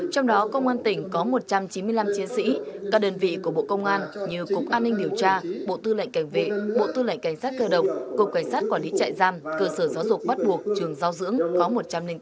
trong đó công an tỉnh có một trăm chín mươi năm chiến sĩ các đơn vị của bộ công an như cục an ninh điều tra bộ tư lệnh cảnh vệ bộ tư lệnh cảnh sát cơ động cục cảnh sát quản lý trại giam cơ sở giáo dục bắt buộc trường giáo dưỡng có một trăm linh tám